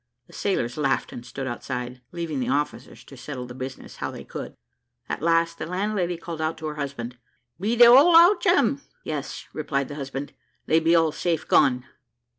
The sailors laughed and stood outside, leaving the officers to settle the business how they could. At last, the landlady called out to her husband, "Be they all out, Jem?" "Yes," replied the husband, "they be all safe gone."